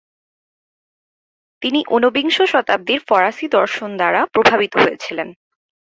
তিনি ঊনবিংশ শতাব্দীর ফরাসি দর্শন দ্বারা প্রভাবিত হয়েছিলেন।